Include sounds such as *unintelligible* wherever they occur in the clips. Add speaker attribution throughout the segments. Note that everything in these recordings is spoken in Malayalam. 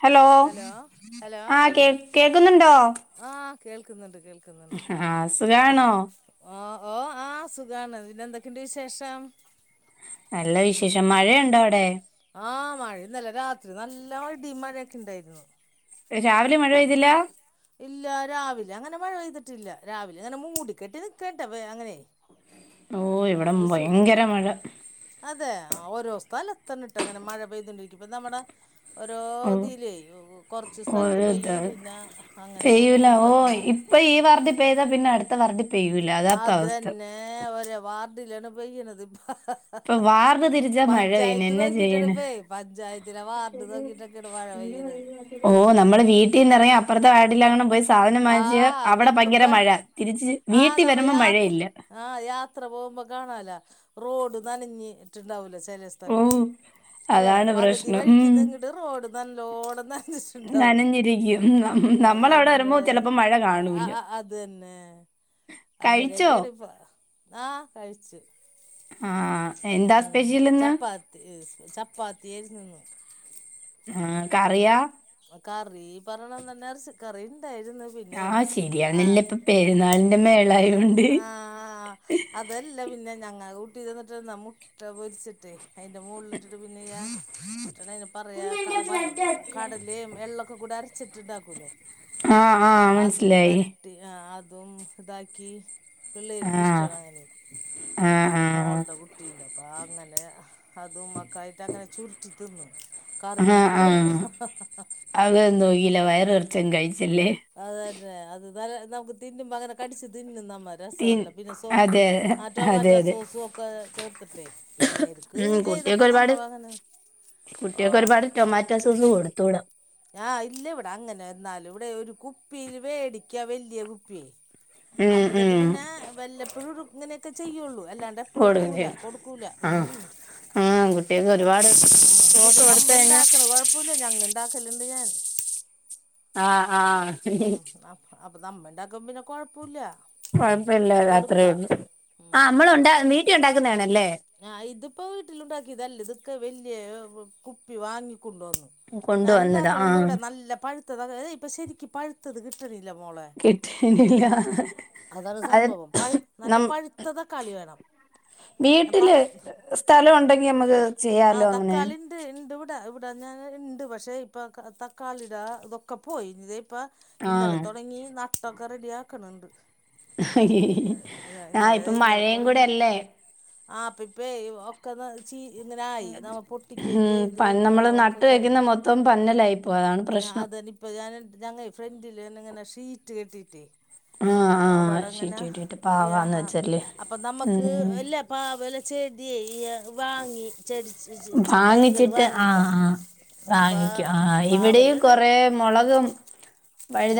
Speaker 1: ഹലോ ആഹ് കേ കേക്ക്ന്ന്ണ്ടോ?
Speaker 2: ആഹ് കേൾക്ക്ന്ന്ണ്ട് കേൾക്ക്ന്ന്ണ്ട്.
Speaker 1: ആഹ് സുഖാണോ
Speaker 2: ഓ ഓ ആഹ് സുഖാണ് പിന്നെന്തൊക്കെണ്ട് വിശേഷം?
Speaker 1: നല്ല വിശേഷം, മഴയ്ണ്ടോ അവ്ടെ?
Speaker 2: ആഹ് മഴന്നലെ രാത്രി നല്ല ഇടിം മയൊക്കെണ്ടായിര്ന്നു.
Speaker 1: രാവിലെ മഴ പെയ്തില്ല?
Speaker 2: ഇല്ല രാവിലങ്ങനെ മഴ പെയ്തിട്ടില്ല രാവിലങ്ങനെ മൂടിക്കെട്ടി നിക്കേട്ടെനിക്കണ്ട് വേ അങ്ങനേ
Speaker 1: ഓ ഇവിടെ
Speaker 2: ഒര് സൂഹ്
Speaker 1: ഭയങ്കര മഴ
Speaker 2: അതെ ആഹ് ഓരോ സ്ഥലത്താണ് ഇങ്ങനെ മഴ പെയ്തോണ്ടിരിക്കും, ഇപ്പ നമ്മടെ
Speaker 1: ഓ
Speaker 2: ഓരോതിലേ കൊറച്ച് സ്ഥലത്ത്
Speaker 1: ഒരുത്
Speaker 2: പെയ്യും പിന്നാ അങ്ങനങ്ങനേണ് ഇപ്പള്ത്തെ മഴ.
Speaker 1: ഇപ്പ ഈ വാർഡീ പെയ്താ പിന്നെടുത്ത വാർഡി പെയ്യൂല അതാപ്പ അവസ്ഥ
Speaker 2: അതന്നേ ഓരോ വാർഡിലാണ് പെയ്യ്ണത് ഇപ്പോ
Speaker 1: ഇപ്പൊ വാർഡ് തിരിച്ചാ മഴ പെയ്യുന്നെ
Speaker 2: പഞ്ചായത്തി
Speaker 1: എന്നാ ചെയ്യാനാ
Speaker 2: നോക്കിട്ടാണ്പ്പേ പഞ്ചായത്തിലെ വാർഡ് നോക്കിട്ടൊക്കേണ് മഴ പെയ്യ്ണത്
Speaker 1: ഓ നമ്മള് വീട്ടീന്നെറങ്ങി അപ്പൊറത്തെ വാർഡിലെങ്ങാനും പോയി സാധനം
Speaker 2: ആ
Speaker 1: വാങ്ങിച്ചാ അവിടെ
Speaker 2: നമ്മിപ്പ
Speaker 1: ഭയങ്കര മഴ. തിരിച്ച് വീട്ടീ വരുമ്പോ മഴയില്ല
Speaker 2: ആഹ് യാത്ര പോകുമ്പോ കാണാലാ റോഡ് നനഞ്ഞീട്ട്ണ്ടാവൂല ചെല സ്
Speaker 1: ഓ
Speaker 2: സ്ഥലത്ത്, അല്ലെ
Speaker 1: അതാണ്
Speaker 2: പകുതു
Speaker 1: പ്രശ്നം ഉം
Speaker 2: വഴിക്ക്തിങ്ങട്ട് റോഡ് നല്ലോണം നനച്ച്
Speaker 1: നനഞ്ഞിരിക്കും, നം നമ്മളവ്ടെ വരുമ്പോ
Speaker 2: അതന്നെ
Speaker 1: ചെലപ്പോ മഴ കാണൂല. *inaudible*
Speaker 2: അങ്ങനോക്കേണിടപ്പോ, ആഹ് കഴിച്ച്.
Speaker 1: ആ ആഹ് എന്താ സ്പെഷ്യലിന്
Speaker 2: ചപ്പാത്തി സ്പെ ചപ്പാത്തി ഏര്ന്ന്
Speaker 1: ആഹ് കറിയാ
Speaker 2: പ്പ കറീ പറയണം തന്നെ എറച്ചി കറിണ്ടായിര്ന്ന്. പിന്നേ
Speaker 1: ആ ശരിയാണല്ലേ
Speaker 2: ആഹ്
Speaker 1: ഇപ്പൊ പെരുന്നാളിന്റെ മേളായോണ്ട്
Speaker 2: അഹ് അഹ് അത് അതെല്ല പിന്നെ ഞങ്ങ ഊട്ടി ഇരുന്നിട്ട് വന്ന് മുട്ട പൊരിച്ച്ട്ടേ അയിന്റെ മോള്ല് ട്ട് ട്ട് പിന്നയാ കിട്ട്ണേയ് പറയാ
Speaker 1: ഇന്ന്
Speaker 2: കാ
Speaker 1: എന്റെ
Speaker 2: പ
Speaker 1: ബ്ലഡ്
Speaker 2: ഉ
Speaker 1: വെച്ചത്
Speaker 2: ഈം എള്ളൊക്കെക്കൂടെ അരച്ചിട്ട്ണ്ടാക്കൂല്ലേ
Speaker 1: ആ ആ
Speaker 2: അതും
Speaker 1: മനസ്സിലായി
Speaker 2: പര ട്ടി ആഹ് അതും ഇതാക്കി
Speaker 1: ആ
Speaker 2: പിള്ളേർക്കിഷ്ടവാണങ്ങനേയ്,
Speaker 1: ആ ആ
Speaker 2: മോള്ടെ കുട്ടീണ്ട് അപ്പ അങ്ങനേ അതും മക്കളായിട്ടങ്ങനെ ചുര്ട്ടി തിന്നും കറി കൂട്ടില്ല്യ.
Speaker 1: അത് ഒന്നും നോക്കില്ല വയറ് നെറച്ചങ്ങ് കഴിച്ചല്ലേ
Speaker 2: അതന്നെ അത് നല്ല നമുക്ക് തിന്നുമ്പ അങ്ങനെ കടിച്ച്ച് തിന്നും നമ്മ,
Speaker 1: തിൻ
Speaker 2: രസവാണ്ല്ല പിന്നെ സോ
Speaker 1: അതെ
Speaker 2: ആഹ്
Speaker 1: അതെ
Speaker 2: റ്റോമാറ്റോ
Speaker 1: അതെ
Speaker 2: സോസും ഒക്കെ ചേർത്തിട്ടേ പിള്ളേർക്ക് ചെയ്തപ്പ നമ്മളു അങ്ങനേ
Speaker 1: കുട്ട്യേക്ക് ഒരുപാട് ടൊമാറ്റോ സോസ് കൊടുത്തൂട.
Speaker 2: ഞാ ഇല്ല ഇവടെ അങ്ങനെന്നാലും ഇവിടെ ഒരു കുപ്പില് വേടിക്കാ വല്യ കുപ്പ്യേ
Speaker 1: ഉം
Speaker 2: അപ്പന്നട്ട്
Speaker 1: ഉം
Speaker 2: പിന്നെ വല്ലപ്പോഴൂള്ളു ഇങ്ങനൊക്കെ ചെയ്യുള്ളൂ അല്ലാണ്ട് എപ്പഴും
Speaker 1: കൊടുക്കും
Speaker 2: എടുക്കൂല
Speaker 1: ചെയ്യും
Speaker 2: കൊടുക്കൂല
Speaker 1: ആഹ്
Speaker 2: ഉം.
Speaker 1: ആഹ് കുട്ടികൾക്ക്
Speaker 2: ആഹ്
Speaker 1: ഒരുപാട്
Speaker 2: ആഹ്
Speaker 1: ഷോക്ക്
Speaker 2: പിന്നെ
Speaker 1: കൊടുത്ത് കഴിഞ്ഞാ
Speaker 2: നമ്മണ്ടാക്ക്ണ കൊഴപ്പ പ്പൂല ഞങ്ങ ഇണ്ടാക്കല്ണ്ട് ഞാൻ
Speaker 1: ആഹ് ആഹ്
Speaker 2: അപ്പ നമ്മ ഇണ്ടാക്കുമ്പോ പിന്നെ കൊഴപ്പോല്ല
Speaker 1: കൊഴപ്പല്ല അത്രേള്ളൂ. ആഹ് മ്മളൊണ്ടാ വീട്ടി ഒണ്ടാക്കുന്നേ ആണല്ലേ
Speaker 2: ആഹ് ഇത്പ്പോ വീട്ടില് ഉണ്ടാക്ക്യേതല്ല ഇതൊക്കെ വെല്ല്യേ കുപ്പി വാങ്ങി ക്കൊണ്ടു വന്നു. ഞാന്
Speaker 1: കൊണ്ടുവന്നതാ
Speaker 2: ഇണ്ടാക്കല്ണ്ട്
Speaker 1: ആഹ്
Speaker 2: ഇവടെ നല്ല പഴുത്തത് അതെ ഇപ്പ ശെരിക്ക് പഴുത്തത് ക്ടിട്ടണില്ല മോളെ.
Speaker 1: കിട്ടാനില്ല
Speaker 2: അതാണ്
Speaker 1: അത്
Speaker 2: സംഭവം പഴ് നല്ല പഴ്ത്ത തക്കാളി വേണം. ഞാൻ
Speaker 1: വീട്ട്ല്
Speaker 2: പത്ത്
Speaker 1: സ്ഥലോണ്ടെങ്കി ഞമ്മക്ക് ചെയ്യാലോ അങ്ങനെ
Speaker 2: ഇണ്ട് ഇവിടെ ഇവടെ ഞാൻ ണ്ട് പക്ഷെ ഇപ്പ തക്കാളിടെ ഇതൊക്കെ പോയി തേ ഇപ്പ ഇന്നലെ
Speaker 1: ആഹ്
Speaker 2: തൊടങ്ങി നട്ടൊക്കെ റെട്യാ ക്ക്ണ് ണ്ട്.
Speaker 1: ആഹ്
Speaker 2: ഇന്നലെ
Speaker 1: ഇപ്പം
Speaker 2: ഇന്നലെ
Speaker 1: മഴയും കൂടെ
Speaker 2: തൊടങ്ങി
Speaker 1: അല്ലേ
Speaker 2: ആപ്പ ഇപ്പേ ഒക്കെ ന്ന ചീ ഇങ്ങനെ ആയി നമ്മ പൊട്ടിക്കേം ചെയ്ത് വെളവൊക്കെ കഴിഞ്ഞ്.
Speaker 1: ഇപ്പം പന്നലൈം
Speaker 2: അതന്ന ഇപ്പ ഞാന ഞങ്ങ ഫ്രണ്ടില് ഇങ്ങനെ ഷീറ്റ് കെട്ടീറ്റേ
Speaker 1: ആഹ്
Speaker 2: അപ്പ
Speaker 1: ആഹ്
Speaker 2: അവടെ ഇങ്ങനെ
Speaker 1: ഷീറ്റ് കിട്ടിയിട്ട്
Speaker 2: യാ
Speaker 1: പാവാന്ന്
Speaker 2: ആഹ്
Speaker 1: വെച്ചല്ലേ
Speaker 2: അപ്പ നമ്മക്ക്
Speaker 1: ഉം
Speaker 2: ഇല്ല പ്പ് പാവല ചെഡ്യേ വാങ്ങി ചെടി ഇജ് ച്ച് തൈകള്
Speaker 1: വാങ്ങിച്ചിട്ട്
Speaker 2: വാങ്ങീ പ്പ അപ്പാ
Speaker 1: ഇവിടീം കൊറേ മൊളകും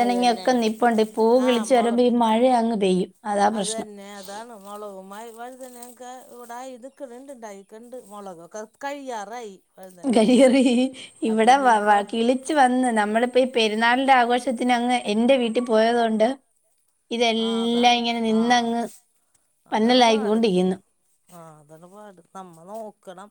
Speaker 2: അത് തന്നെ
Speaker 1: ഒക്ക നിപ്പുണ്ട് പൂ കിളിച്ച് വരുമ്പോ ഈ മഴ അങ്ങ് പെയ്യും അതാ പ്രശ്നം
Speaker 2: അതന്നെ അതാണ് മൊളകും മായി വഴുതനേക്കെ ഇവടെ ഇത്ക്ക്ണ്ണ്ട് ഇണ്ടായിക്ക്ണ്ണ്ട് മൊളകൊക്കെ കഴിയാറായി. വഴുതനങ്ങൊക്കെ
Speaker 1: കയറി
Speaker 2: അപ്പം
Speaker 1: ഇവടെ വ വാ
Speaker 2: ഇനിയിപ്പോൾ
Speaker 1: കിളി ച്ച് വന്ന് നമ്മള്പ്പോ ഈ പെരുന്നാളിന്റെ ആഘോഷത്തിന് അങ്ങ് എന്റെ വീട്ടി പോയതുകൊണ്ട്
Speaker 2: ആ
Speaker 1: ഇതെല്ലാം
Speaker 2: അതാണ്
Speaker 1: ഇങ്ങനെ
Speaker 2: ആ
Speaker 1: നിന്ന അങ്ങ് പന്നലായി കോണ്ടിക്ക്ന്നു
Speaker 2: ആഹ് അതാണ് പാട് നമ്മ നോക്കണം.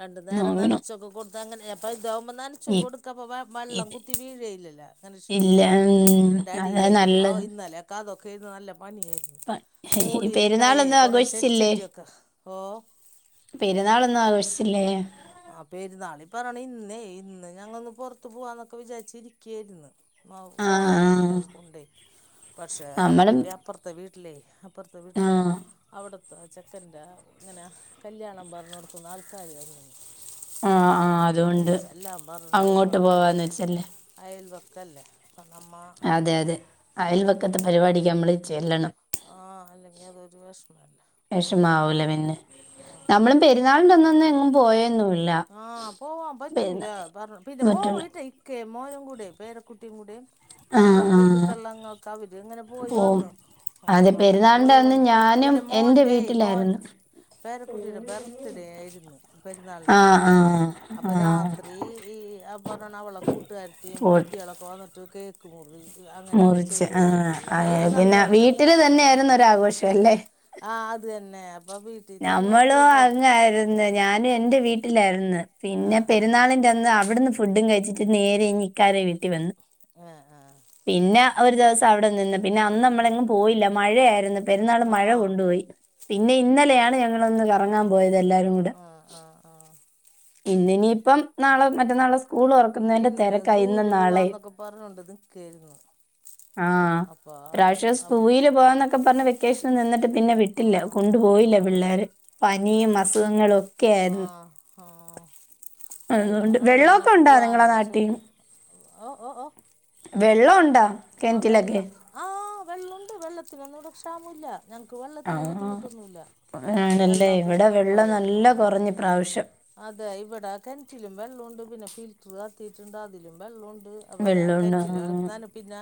Speaker 2: രണ്ടു നേരം
Speaker 1: നോക്കണം
Speaker 2: നനച്ചൊക്കെ കൊട് അത ങ്ങനെ അപ്പ ഇതാകുമ്പോ നനച്ചും
Speaker 1: ഇ
Speaker 2: കൊട്ക്ക. അപ്പ വള്ളം
Speaker 1: ഇത്
Speaker 2: കുത്തി വീഴേല്ലല്ലോ അങ്ങനെ
Speaker 1: ഇല്ല
Speaker 2: ഷീറ്റ്
Speaker 1: ഉം
Speaker 2: ത
Speaker 1: അതാ
Speaker 2: അടീലൈറ്റ് അപ്പ
Speaker 1: നല്ലത്
Speaker 2: ഇന്നലേക്ക അതൊക്കെ ഇന്ന് നല്ല പണിയായിര്ന്നു.
Speaker 1: പ-
Speaker 2: മോളില്ണ്ടായേ
Speaker 1: പെരുന്നാളൊന്നും
Speaker 2: കൊറേ
Speaker 1: ആഘോഷിച്ചില്ലേ
Speaker 2: ചെടിച്ചട്ടി ഒക്കെ അപ്പോ
Speaker 1: പെരുന്നാളൊന്നും ആഘോഷിച്ചില്ലേ
Speaker 2: ആഹ് പെരുന്നാള് ഈ പറേണെ ഇന്നേ ഇന്ന് ഞങ്ങ ഒന്ന് പൊറത്ത് പോകാന്നൊക്കെ വിചാരിച്ച് ഇരിക്കേര്ന്ന്. മൗ
Speaker 1: ആ
Speaker 2: മോളെ
Speaker 1: ആ.
Speaker 2: കുട്ടീനെക്കെ കൊണ്ടെ പക്ഷെ
Speaker 1: നമ്മളും
Speaker 2: അപ്പീന്റെ അപ്പൊർത്തെ വീട്ടിലേയ് അപ്പൊർത്തെ
Speaker 1: ആ
Speaker 2: വീട്ടിലേ അവട്ത് ത്തെ ചെക്കന്റെ ഇങ്ങനെ കല്യാണം പർഞ്ഞോടത്ത്ന്ന് ആൾക്കാര് വര്ണന്ന്
Speaker 1: ആ
Speaker 2: അപ്പാ
Speaker 1: ആ അതുകൊണ്ട്
Speaker 2: അങ്ങട്ട് ചെല്ലാം പർഞ്ഞ്ണ്ട് അയൽ
Speaker 1: അങ്ങോട്ട്
Speaker 2: വക്കല്ലേ
Speaker 1: പോവാന്ന് വെച്ചല്ലേ
Speaker 2: അയൽവക്കല്ലെ അപ്പ നമ്മ
Speaker 1: അതെ അതെ അയൽവക്കത്തെ പരിപാടിക്ക് നമ്മള് ചെല്ലണം
Speaker 2: ആഹ് അല്ലെങ്കി അതൊരു വെഷ്മല്ലെ കാരണം
Speaker 1: വിഷമാവൂല
Speaker 2: ആഹ്
Speaker 1: ഇന്നൊന്നെങ്ങും പോയന്നൂൽ
Speaker 2: ആഹ് പോവാം പറ്റൂല. പറ പിന്നെ
Speaker 1: മറ്റുള്ള
Speaker 2: പോവിട്ടെ ക്കേ മോനും കൂടെ പേരക്കുട്ടീം കൂടെ
Speaker 1: ആ
Speaker 2: അയ് ഈ
Speaker 1: ആ
Speaker 2: ബന്ധുക്കെളങ്ങക്ക് അവര് ഇങ്ങനെ പോയി
Speaker 1: പോവും
Speaker 2: വന്നു. ആഹ്
Speaker 1: അതെ
Speaker 2: അങ്ങനെ
Speaker 1: പെരുന്നാളിന്റെ
Speaker 2: പോയി
Speaker 1: അന്ന്
Speaker 2: വന്നു.
Speaker 1: ഞാനും
Speaker 2: പിന്നെ
Speaker 1: എന്റെ
Speaker 2: മോൻന്റെ മോൻ
Speaker 1: വീട്ടിലായിരുന്നു
Speaker 2: പേരക്കുട്ടീടെ ബർത്ത്ഡേ ആയിര്ന്ന് പെര്ന്നാൾ
Speaker 1: ആഹ് ആഹ്
Speaker 2: അപ്പ രാത്രി ഈ ആഹ് പറേണ അവളെ കൂട്ട്കാരത്തീം
Speaker 1: പോട്ട്
Speaker 2: കുട്ട്യാളൊക്കെ വന്ന്ട്ട് കേ ക്ക് മുറി അങ്ങനേക്കെ
Speaker 1: മുറിച്ച് ആ
Speaker 2: ചെയ്തത്
Speaker 1: അങ്ങനെ
Speaker 2: പിള്ളേരൊര്
Speaker 1: പിന്നെ
Speaker 2: സന്തോഷം
Speaker 1: വീട്ടില് തന്നെയായിരുന്നു ഒരാഘോഷം അല്ലേ
Speaker 2: ആഹ് അത് തന്നെ അപ്പ പി
Speaker 1: ഞമ്മളും അങ്ങായിര് ന്ന്. ഞാന് എന്റെ വീട്ടിലായിരുന്നു. പിന്നെ
Speaker 2: ആഹ് ആഹ്
Speaker 1: പെരുന്നാളിന്റ അന്ന് അവിട്ന്ന് ഫു ഫുഡും കഴിച്ചിട്ട് നേരെ ഇനി ഇക്കാരെ വീട്ടി വന്നു.
Speaker 2: ആഹ് ആഹ്
Speaker 1: പിന്നെ ഒരു ദിവസം അവിടെ നിന്ന്ണ്. പിന്നെ അന്ന് നമ്മളെങ്ങും പോയില്ല. മഴയായിരുന്നു പെരുന്നാള് മഴ
Speaker 2: ആഹ്
Speaker 1: കൊണ്ടോയി. പിന്നെ ഇന്നലെയാണ് ഞങ്ങളൊന്ന് കറങ്ങാൻ പോയത് എല്ലാരും കൂടി
Speaker 2: ആഹ് ആഹ് ആഹ്
Speaker 1: ഇന്ന് ഇിനിയിപ്പം നാളെ മറ്റന്നാളെ സ്കൂളൊറ
Speaker 2: ഇന്ന് സൂല് പോവാന്നൊക്കെ പറഞ്ഞോണ്ട് നിക്കായിരുന്നു.
Speaker 1: ആഹ്
Speaker 2: അപ്പ
Speaker 1: ഇപ്രാവശ്യം
Speaker 2: അപ്പ
Speaker 1: സൂവിയില് പോവാന്നൊക്കെ പറഞ്ഞ് വെ ക്കേഷൻ നിന്നിട്ട് പിന്നെ വിട്ടില്ല
Speaker 2: ആഹ്
Speaker 1: കൊണ്ടു പോയില്ല
Speaker 2: ആഹ്
Speaker 1: പിള്ളേര്. പനിയും
Speaker 2: അപ്
Speaker 1: അസുഖങ്ങളും ഒക്കെ ആയിരുന്നു.
Speaker 2: ആഹ് ആഹ്, അയി ഈ
Speaker 1: അതുകൊണ്ട്
Speaker 2: പറഞ്ഞതന്നെ
Speaker 1: വെള്ളമൊക്കെ ഉണ്ടോ നിങ്ങളെ
Speaker 2: പൂവാന്ന് വച്ച്
Speaker 1: നാട്ടി
Speaker 2: ഓ ഓ ഓ
Speaker 1: വെള്ളോ ഉണ്ടാ?
Speaker 2: ആഹ് വെള്ള ആഹ് വെള്ളുണ്ട് വെള്ളത്തിനൊന്നും ഇവിടെ ക്ഷാമുല്ല. ഞങ്ങക്ക് വെള്ളത്തിന്
Speaker 1: ആഹ്
Speaker 2: ബുദ്ധിമുട്ടൊന്നുല്ല.
Speaker 1: ആണല്ലേ ഇവിടെ വെള്ളം നല്ല
Speaker 2: ഉം
Speaker 1: കൊറഞ്ഞു ഇപ്രാവശ്യം.
Speaker 2: അതെ ഇവിടെ കൻറ്റിലും വെള്ളുണ്ട്. പിന്നെ ഫിൽറ്റർ ആക്കിയിട്ടുണ്ട് അതിലും ബെള്ളോണ്ട്. അപ്പ ഞാന്
Speaker 1: വെള്ളമുണ്ടോ
Speaker 2: *unintelligible* പിന്നെ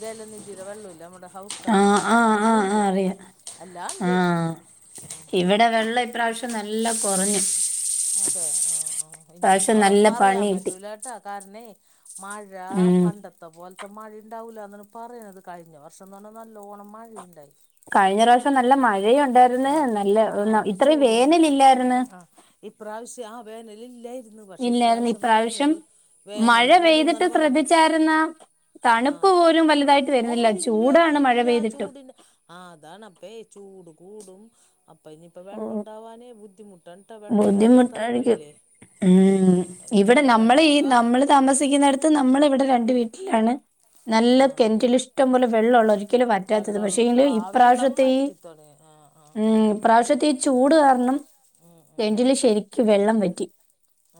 Speaker 2: ജലനിധിയുടെ വെള്ളോല്ലെ നമ്മുടെ ഹൗസ്
Speaker 1: ആഹ്
Speaker 2: കണക്ഷൻ
Speaker 1: ആഹ്
Speaker 2: അതൂ
Speaker 1: ആഹ്
Speaker 2: ഉണ്ട്.
Speaker 1: ആഹ് അറിയാം
Speaker 2: അല്ലാണ്ട്
Speaker 1: ആഹ്
Speaker 2: ഉം
Speaker 1: ഇവിടെ വെള്ളം ഇപ്രാവശ്യം നല്ല കൊറഞ്ഞു.
Speaker 2: അതെ ആഹ് ആഹ് ഇനിയിപ്പ
Speaker 1: നല്ല
Speaker 2: പറയാൻ
Speaker 1: പണി കിട്ടി
Speaker 2: പറ്റൂലാ ല കാരണെ മഴ
Speaker 1: ഉം
Speaker 2: പണ്ട ത്ത പോൽത്തെ മഴ ഇണ്ടാവൂലാന്നാണ് പറയണത് കഴിഞ്ഞ വർഷന്നെർ ഞ്ഞാൽ നല്ലോണം മഴ ഇണ്ടായി.
Speaker 1: കഴിഞ്ഞ റാശ്യം നല്ല മഴയുണ്ടായിര്ന്ന്
Speaker 2: ആ
Speaker 1: നല്ല ന്ന ഇത്രയും വേനല് ഇല്ലായിരുന്നു.
Speaker 2: ഇപ്രാവശ്യാ ആ വേനല് ഇല്ലായിര് ന്നു. പക്ഷെ ഇപ്രാവശ്യം വേനല്
Speaker 1: മഴ
Speaker 2: വേനല്
Speaker 1: പെയ്തിട്ട്
Speaker 2: കൂടുന്നാണ് പറയണ്.
Speaker 1: ശ്രദ്ധിച്ചായിരുന്ന തണുപ്പ്
Speaker 2: ആഹ്,
Speaker 1: പോലും വലുതായിട്ട് വരുന്നില്ല
Speaker 2: ഓഹ് ഇല്ല
Speaker 1: ചൂടാണ് മഴ
Speaker 2: ഇല്ല
Speaker 1: പെയ്തിട്ടും
Speaker 2: ചൂടില്ല ആഹ് അതാണ് അപ്പേ ചൂട് കൂടും അപ്പം ഇനിയിപ്പ വെള്ളം
Speaker 1: ഉം.
Speaker 2: ഉണ്ടാവാനേ ബുദ്ധിമുട്ട് *unintelligible*
Speaker 1: ബുദ്ധിമുട്ടായിരിക്കും ഉം
Speaker 2: അത്
Speaker 1: ഇവിടെ
Speaker 2: തന്നെ
Speaker 1: നമ്മള് ഈ
Speaker 2: വെള്ളമൊക്കെ
Speaker 1: നമ്മള് താമസിക്കുന്നിടത്ത് നമ്മളിവിടെ രണ്ട് വീട്ടിലാണ്. നല്ല
Speaker 2: ആ
Speaker 1: കെൻറ്റ്ലിഷ്ടം പോലെ വെള്ളഉള്ളൊരു ഒരിക്കലും വറ്റാത്തത്
Speaker 2: വെള്ളമുള്ളത്
Speaker 1: പക്ഷെങ്കില് ഇപ്രാവശ്യത്തെ ഈ
Speaker 2: ആഹ്
Speaker 1: പ്രാവശ്യത്തെ ഈ ചൂട് കാരണം കെൻറ്റില് ശെരിക്ക് വെള്ളം വറ്റി.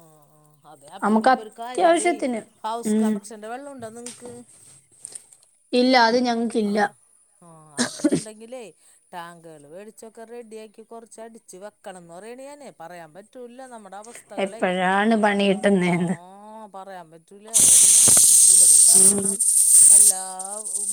Speaker 2: ആഹ്, ആഹ് അതെ അപ്പ
Speaker 1: നമുക്ക്
Speaker 2: ഇനിയിപ്പോ ഒരു കാര്യം ചെയ്യ്
Speaker 1: അത്യാവശ്യത്തിന്
Speaker 2: ഹൗസ്
Speaker 1: ഉം
Speaker 2: കണക്ഷന്റെ വെള്ളം ഉണ്ടോ നിങ്ങ്ക്ക്?
Speaker 1: ഇല്ല അത് ഞങ്ങ്ക്കില്ല.
Speaker 2: ആഹ് അത് ഇണ്ടെങ്കിലേ ടാങ്ക്ള് വേടിച്ചൊക്കെ റെഡിയാക്കി കൊറച്ച് അടിച്ച് വെക്കണംന്ന് പറയണ ഞാനേ പറയാൻ പറ്റൂല്ല നമ്മുടെ അവസ്ഥകളേ
Speaker 1: എപ്പഴാണ് പണി കിട്ടുന്നത്
Speaker 2: ആഹ് പറയാൻ പറ്റൂലേ അത്ന്നെ ഇവിടെ പറഞ്ഞോണം അല്ലാ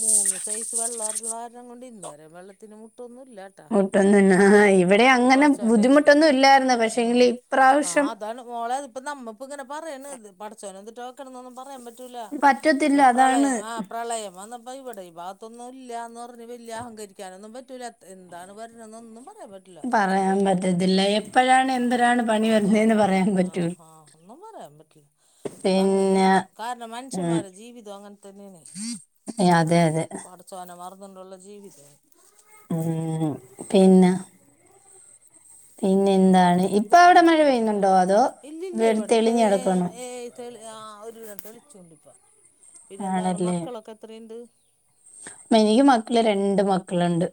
Speaker 2: മൂന്ന് സൈസ് വെള്ളം കാരണം കൊണ്ട് ഇന്ന് വരാം വെള്ളത്തിന് മുട്ടൊന്നുല്ല
Speaker 1: മുട്ടൊന്നും
Speaker 2: ക്ക
Speaker 1: ഇവിടെ അങ്ങനെ
Speaker 2: പഠച്ചോൻ്റയില്
Speaker 1: ബുദ്ധിമുട്ടൊന്നും ഇല്ലായിരുന്നു
Speaker 2: ആഹ്
Speaker 1: പക്ഷെങ്കില് ഇപ്രാവശ്യം
Speaker 2: അതാണ് മോളെ അ ഇപ്പോ നമ്മപ്പ ഇങ്ങന പറയണത് പഠച്ചോനോ എ ടോക്കണ എന്നൊന്ന് പറയാൻ പറ്റില്ല
Speaker 1: പറ്റത്തില്ല അതാണ്
Speaker 2: പ്രളയം ആഹ് പ്രളയം വന്നപ്പൊ അപ്പ ഇവിടെഈ ഭാഗത്തൊന്നും ഇല്ല എന്ന് പറഞ്ഞ് വല അഹങ്കരിക്കാനൊന്നും പറ്റൂല എന്താണ് വരണൊന്നും പറയാൻ പറ്റില്ല റില്ല
Speaker 1: പറയാൻ
Speaker 2: പടച്ചോൻ്റെയ്യിൽ കിടക്കാണ്
Speaker 1: പറ്റത്തില്ല എപ്പോഴാണ്
Speaker 2: ആഹ്
Speaker 1: എന്തരാണ് പണി
Speaker 2: അതെ
Speaker 1: വരുന്നേന്ന്
Speaker 2: അതെ
Speaker 1: പറയാൻ പറ്റൂ
Speaker 2: ആഹ് ആഹ് ഒന്നും പറയാൻ പറ്റില്ല ഇപ്പം
Speaker 1: പിന്നെ
Speaker 2: അങ്ങനെണ് കാരണം
Speaker 1: ഉം
Speaker 2: മനുഷ്യന്മാരെ ജീവിതം അങ്ങനെ തന്നെയാണ്
Speaker 1: അതെ അതെ
Speaker 2: പടച്ചാനേ മറന്നൊണ്ടുള്ള ജീവിതം
Speaker 1: ഉം പിന്നെ പിന്നെ എന്താണ് ഇപ്പ്?
Speaker 2: ഉം പിന്നെന്താണ് ഇല്ലില്ല.
Speaker 1: വെള്
Speaker 2: ഇവെടെ ഇപ്പൊ
Speaker 1: തെളിഞ്ഞ്
Speaker 2: ഏയ്
Speaker 1: കിടക്കണോ
Speaker 2: ഏഹ്. തെ ആഹ് ഒരുവിധം തെളിച്ചൊണ്ടിപ്പ. പിന്നെന്താണ്
Speaker 1: ആണല്ലേ
Speaker 2: മക്കളൊക്കെ എത്രയുണ്ട്?
Speaker 1: എനിക്ക് മക്കിള് രണ്ട് മക്കളൊണ്ട്.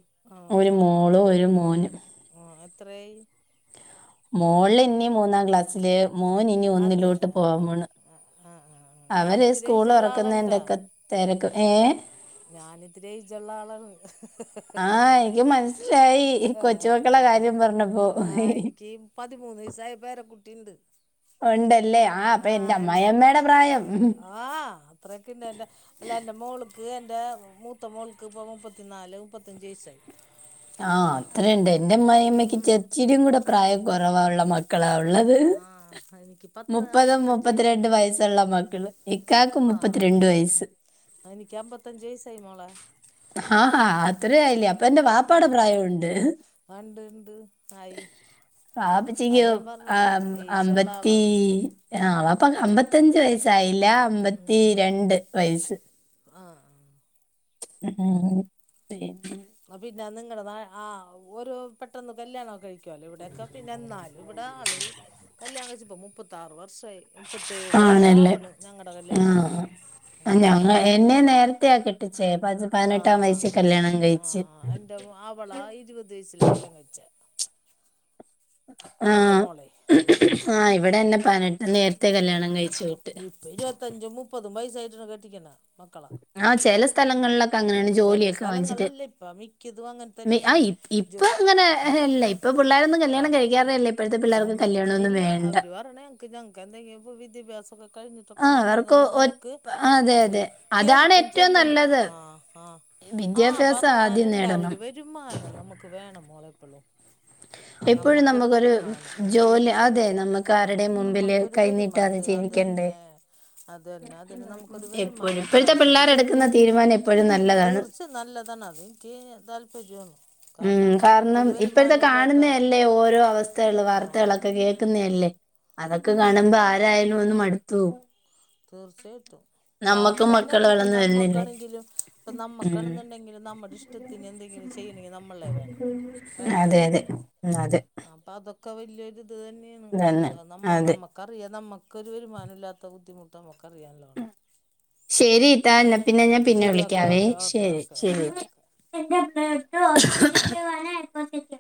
Speaker 1: ഒരു മോള് ഒരു മോന്.
Speaker 2: ഉം എത്രായി?
Speaker 1: മോള് ഇനി മൂന്നാം ക്ലാസില്, മോന് ഇനി ഒന്നിലോട്ട് പോവാൻ പോണ്.
Speaker 2: ആഹ് ആഹ് ആഹ്
Speaker 1: അവെര് സ്കൂള് എറക്കുന്നതെന്റക്കെ തെരക്ക്. ഏഹ്
Speaker 2: ഞാനിത്തിരി എയ്ജൊള്ള ആളാണ്.
Speaker 1: ആഹ് എനിക്ക് മനസ്സിലായി ഈ
Speaker 2: ഏഹ് ഏഹ്.
Speaker 1: കൊച്ചുമക്കളെ
Speaker 2: ആഹ് ആഹ്
Speaker 1: കാര്യം പറഞ്ഞപ്പോ
Speaker 2: ആ എനിക്ക് പതിമൂന്ന് വയസായ പേരകുട്ടിണ്ട്.
Speaker 1: ഒണ്ടല്ലേ. ആഹ് അപ്പ എന്റെ അമ്മായിമ്മടെ പ്രായം. ഉം
Speaker 2: ആഹ് തെരക്കിന്റെന്റേ. അല്ല, എന്റെ മോള്ക്ക് എന്റെ മൂത്ത മോൾക്ക് ഇപ്പ മുപ്പത്തിനാല്, മുപ്പത്തഞ്ചു വയസായി.
Speaker 1: ആഹ് അത്രയൊണ്ട്. എന്റെ അമ്മായമ്മയ്ക്ക്
Speaker 2: ഉം
Speaker 1: ചെച്ചിലും കൂടെ പ്രായം കൊറെവയൊള്ളേ. മക്കളാ
Speaker 2: കുറവാണ്
Speaker 1: ഒള്ളത്.
Speaker 2: ആ എനിക്ക് പത്ത്
Speaker 1: മുപ്പതും
Speaker 2: അമ്പത്തഞ്ച് വയസ്സായി
Speaker 1: മുപ്പത്തിരണ്ടും വയസൊള്ള മ ക്കള്. ഇക്കാക്ക്
Speaker 2: ആ
Speaker 1: മുപ്പത്തിരണ്ട് വയെസ്സ്.
Speaker 2: എനിക്ക് അമ്പത്തഞ്ച് വയസായി മോളെ.
Speaker 1: ആഹ് അത്ര ആയില്ലേ. അപ്പൊ എന്റെ വാപ്പാടെ പ്രായൊണ്ട്.
Speaker 2: ഒണ്ട് ഇണ്ട് ആയി.
Speaker 1: വാപ്പച്ചിക്ക്
Speaker 2: അതാണ് ഞാൻ പറഞ്ഞത്
Speaker 1: ആഹ്
Speaker 2: ഏജുള്ള
Speaker 1: അമ്പത്തി
Speaker 2: ആളാണെന്ന്
Speaker 1: ആഹ് വാപ്പാക്ക് അമ്പത്തഞ്ച് വയസ്സായില്ല. അമ്പത്തിരണ്ട് വയിസ്സ്.
Speaker 2: ആഹ്
Speaker 1: ആഹ് *unintelligible*
Speaker 2: ആഹ് പിന്നെ നിങ്ങളുടെ നാ ഒരു പെട്ടെന്ന് കല്യാണെക്കെ കഴിക്കും. ല്ലോ ഇവെടെയൊക്കെ പിന്നെന്നാലും. ഇവെടെ ആള് കല്യാണം കഴിച്ചി ഇപ്പോ മുപ്പത്താറ് വർഷായി.
Speaker 1: ആണല്ലേ.
Speaker 2: കല്യാണം കഴിഞ്ഞിട്ട്
Speaker 1: ആഹ് ഞങ്ങ എന്നെ നേ രെത്തെയാ കെട്ടിച്ചേ. പതി
Speaker 2: ആ
Speaker 1: പതിനെട്ടാം വയസ്സിൽ കല്ല്യാണം കഴിച്ചു.
Speaker 2: അവെള ഇരുപത് വയസ്സിലാ കല്യാണം കഴിച്ചേ. മൂത്തമോളേ. ഉം
Speaker 1: ആഹ് ഇവെടെന്നെ പതിനെട്ട്. നേരത്തെ കല്യാണം
Speaker 2: ഉം
Speaker 1: കഴിച്ചു വിട്ടു.
Speaker 2: ഇപ്പം ഇരുപത്തഞ്ചും മുപ്പതും വയസായിട്ടാണ് കെട്ടിക്കണേ. മക്കെളാ.
Speaker 1: ആ ചില സ്ഥലങ്ങളിലൊക്കെ അങ്ങനെയാണ്
Speaker 2: ചെല
Speaker 1: ജോലിയൊക്കെ വാങ്ങിച്ചിട്ട്
Speaker 2: സ്ഥലങ്ങളല്ലിപ്പ മിക്കെതും അങ്ങൻ
Speaker 1: മി ആ
Speaker 2: തന്നെണ്.
Speaker 1: ഇപ് ഇപ്പ
Speaker 2: ജോ
Speaker 1: അങ്ങനെ
Speaker 2: ഉം
Speaker 1: ഇല്ല.
Speaker 2: ഉം
Speaker 1: ഇപ്പൊ പിള്ളേരൊന്നും
Speaker 2: ക
Speaker 1: കല്യാണം കഴിക്കാറേ ഇല്ല. ഇപ്പഴത്തെ പിള്ളേർക്ക് കല്യാണമൊന്നും
Speaker 2: സമ്മതിക്കന്നില്ല.
Speaker 1: വേണ്ട.
Speaker 2: അവെര് പറയണേ എൻ ഞങ്ങെക്കെന്തെങ്കിലുക്കെ വിദ്യാഭ്യാസം. ക്കെ കഴിഞ്ഞിട്ടൊക്കെ
Speaker 1: ആ അവർക്ക്
Speaker 2: മതിന്നൊള്ള
Speaker 1: ഒ
Speaker 2: നെലക്ക്
Speaker 1: അതെ അതെ. അതാണ്
Speaker 2: മിക്കയെടുത്തും
Speaker 1: ഏറ്റവും
Speaker 2: ചെന്ന്
Speaker 1: നല്ലത്.
Speaker 2: ആഹ് ആഹ്. ആഹ്
Speaker 1: വിദ്യാഭ്യാസം ആദ്യം
Speaker 2: പറയാനുണ്ടാേ
Speaker 1: നേടണം.
Speaker 2: ഒരു വരുമാനം നമുക്ക് വേണം മോളേ എപ്പുളും.
Speaker 1: എപ്പോഴും
Speaker 2: നമ്മെക്കൊരു
Speaker 1: നമുക്കൊരു
Speaker 2: വരുമാനം ഉം
Speaker 1: ജോലി അതെ
Speaker 2: തീർച്ചയായിട്ടും.
Speaker 1: നമുക്ക് ആരുടെയും മുമ്പില്
Speaker 2: നമ്മെക്കൊരു
Speaker 1: കൈനീട്ടാതെ
Speaker 2: വരുമാനത്ത് അതു
Speaker 1: ജീവിക്കണ്ടേ?
Speaker 2: തന്നെ. അത് തന്നെ അതിന് നമ്മെക്കൊരു
Speaker 1: എപ്പോഴും
Speaker 2: വരുമാനം
Speaker 1: ഇപ്പോഴത്തെ
Speaker 2: അത്യാവശ്യം ഒരു ചെറിയ്
Speaker 1: പിള്ളേരെടുക്കുന്ന തീരുമാനം എപ്പോഴും നല്ലതാണ്.
Speaker 2: തീർച്ച നല്ലതാണ് അത്. എനിക്ക് താല്പര്യമാണ്.
Speaker 1: ഉം കാരണം
Speaker 2: നമുക്കൊരു
Speaker 1: ഇപ്പോഴത്തെ
Speaker 2: വരുമാനം ഇല്ലാത്ത
Speaker 1: കാണുന്നയല്ലേ, ഓരോ അവസ്ഥകള്
Speaker 2: ആഹ്
Speaker 1: വാർത്തകളെക്കെ കേക്കുന്നതല്ലേ. അതൊക്കെ
Speaker 2: അതന്നെ
Speaker 1: കാണുമ്പോ ആരായാലും ഒന്ന് മടുത്തു പോവും.
Speaker 2: തീർച്ചയായിട്ടും വാർത്ത
Speaker 1: നമ്മക്കും മക്കൾ
Speaker 2: തന്നെയല്ല ഇപ്പ
Speaker 1: വളർന്ന് വരുന്നില്ലേ
Speaker 2: നമ്മെക്കാണെങ്കിലും ഇപ്പ
Speaker 1: ഉം
Speaker 2: നമ്മെക്കാണെന്നൊണ്ടെങ്കിലും നമ്മെടെ ഇഷ് ത്തിന് എന്തെങ്കിലും ചെയ്യണെങ്കി നമ്മളേ വേണം വേണ്ടേ
Speaker 1: അതെ അതെ അതെ
Speaker 2: ആഹ് അതൊക്കെ വെല്യാരുയിത് തന്നെയാണ്
Speaker 1: തന്നെ
Speaker 2: അത് നമ്മ
Speaker 1: അതെ
Speaker 2: നമ്മെ ക്കറിയാം നമ്മെക്കൊരു വരുമാനം ഇല്ലാത്ത ബുദ്ധിമുട്ട് നമ്മെക്കറിയാ നല്ലോണം.
Speaker 1: ശെരിത്താ എന്നാ പിന്നെ ഞാൻ പിന്നെ
Speaker 2: ഓക്കെ
Speaker 1: വിളിക്കാവേ
Speaker 2: ഓക്കെ ഓക്കെ
Speaker 1: ശരി
Speaker 2: ഓക്കെ
Speaker 1: ശരി
Speaker 2: ഓക്കെ ഓക്കെ
Speaker 1: എട്ടാന എക്കറ്റ *unintelligible*